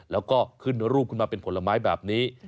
แล้วก็ขึ้นรูปขึ้นมาเป็นผลไม้แบบนี้